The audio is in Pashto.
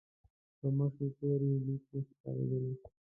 پر مخ يې تورې ليکې ښکارېدلې.